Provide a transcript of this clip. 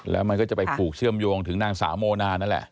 แล้วมันก็จะไปผูกเชื่อมโยงถึงนางสาวโมนานั่นแหละ